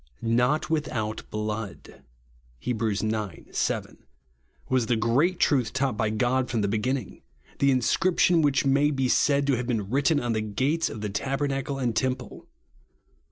"Not without blood" (Heb. ix. 7) was the great truth taught by God from the beginning ; the inscription which may be said to have been written on the gates of tabernacle and temple.